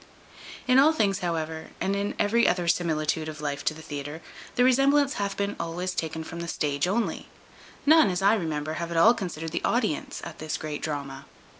_[*] The Deity. In all these, however, and in every other similitude of life to the theatre, the resemblance hath been always taken from the stage only. None, as I remember, have at all considered the audience at this great drama.